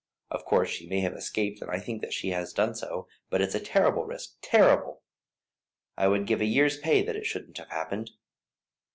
Of course she may have escaped and I think that she has done so; but it's a terrible risk terrible. I would give a year's pay that it shouldn't have happened."